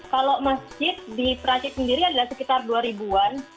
kalau masjid di perancis sendiri adalah sekitar dua ribu an